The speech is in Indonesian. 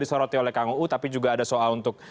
disoroti oleh kang uu tapi juga ada soal untuk